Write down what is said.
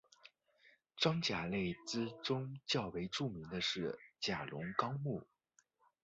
装甲类之中较为著名的是甲龙亚目。